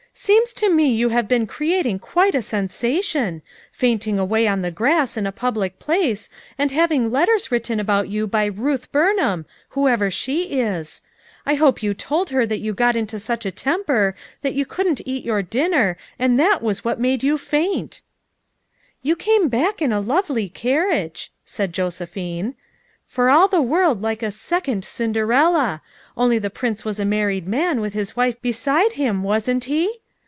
"Seems to me you have been creating quite a sensation; fainting away on the grass in a public place and having letters written about you by 'Ruth Burnham,' whoever she is. I hope you told her that you got into such a temper that you couldn't eat your din ner and that w r as what made you faint" "You came back in a lovely carriage," said Josephine, "for all the w r orld like a second Cinderella; only the prince was a married man with his wife beside him, wasn't he?